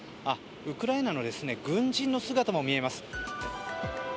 ウクライナの軍人の姿も見えます。